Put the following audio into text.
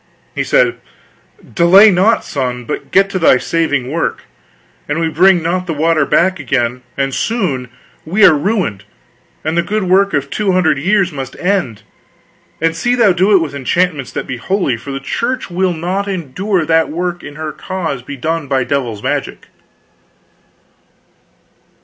He said: "Delay not, son, but get to thy saving work. An we bring not the water back again, and soon, we are ruined, and the good work of two hundred years must end. And see thou do it with enchantments that be holy, for the Church will not endure that work in her cause be done by devil's magic."